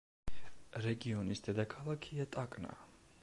რეგიონის დედაქალაქია ტაკნა.